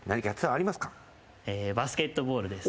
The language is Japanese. バスケットボールです。